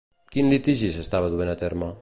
Quin litigi s'estava duent a terme?